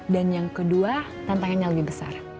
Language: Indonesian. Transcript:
dan yang kedua tantangannya lebih besar